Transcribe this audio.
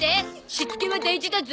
しつけは大事だゾ。